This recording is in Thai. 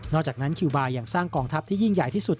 อกจากนั้นคิวบาร์ยังสร้างกองทัพที่ยิ่งใหญ่ที่สุด